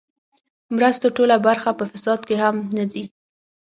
مرستو ټوله برخه په فساد کې هم نه ځي.